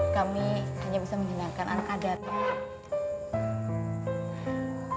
kami hanya bisa menghilangkan angka darah